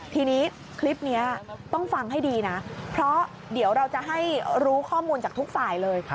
ทีนี้คลิปนี้ต้องฟังให้ดีนะเพราะเดี๋ยวเราจะให้รู้ข้อมูลจากทุกฝ่ายเลย